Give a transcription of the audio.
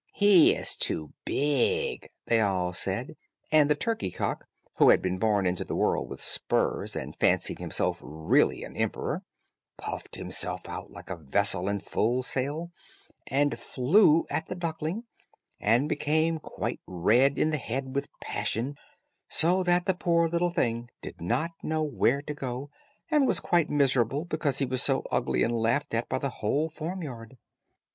"He is too big," they all said, and the turkey cock, who had been born into the world with spurs, and fancied himself really an emperor, puffed himself out like a vessel in full sail, and flew at the duckling, and became quite red in the head with passion, so that the poor little thing did not know where to go, and was quite miserable because he was so ugly and laughed at by the whole farmyard.